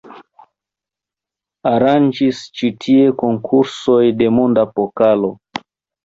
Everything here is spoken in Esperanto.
Aranĝis ĉi tie konkursoj de monda pokalo.